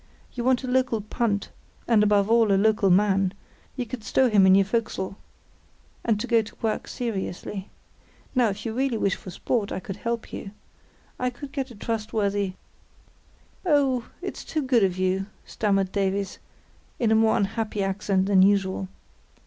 You want a local punt, and above all a local man (you could stow him in your fo'c'sle), and to go to work seriously. Now, if you really wish for sport, I could help you. I could get you a trustworthy——" "Oh, it's too good of you," stammered Davies, in a more unhappy accent than usual.